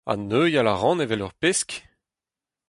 Ha neuial a ran evel ur pesk !